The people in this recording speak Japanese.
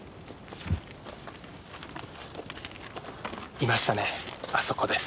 いましたねあそこです。